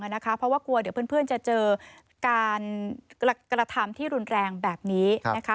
เพราะว่ากลัวเดี๋ยวเพื่อนจะเจอการกระทำที่รุนแรงแบบนี้นะคะ